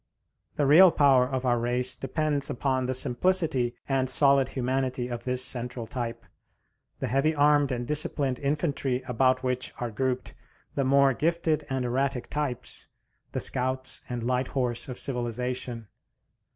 The real power of our race depends upon the simplicity and solid humanity of this central type, the heavy armed and disciplined infantry about which are grouped the more gifted and erratic types, the scouts and light horse of civilization.